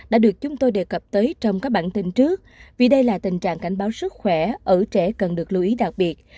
đã được chúng tôi đề cập tới trong các bản tin trước vì đây là tình trạng cảnh báo sức khỏe ở trẻ cần được lưu ý đặc biệt